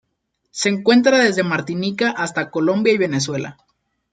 Se encuentra desde Martinica hasta Colombia y Venezuela.